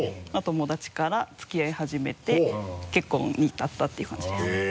友達から付き合い始めて結婚に至ったっていう感じですね。